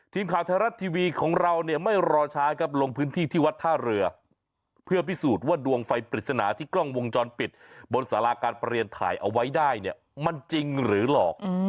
ทีมข่าวไทยรัฐทีวีของเราเนี่ยไม่รอช้าครับลงพื้นที่ที่วัดท่าเรือเพื่อพิสูจน์ว่าดวงไฟปริศนาที่กล้องวงจรปิดบนสาราการเปลี่ยนถ่ายเอาไว้ได้เนี่ยมันจริงหรือหลอก